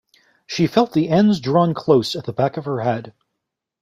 She felt the ends drawn close at the back of her head.